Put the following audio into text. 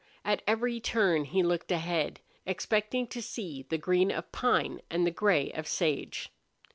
At every turn he looked ahead, expecting to see the green of pine and the gray of sage.